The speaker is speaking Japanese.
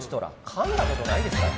かんだことないですから。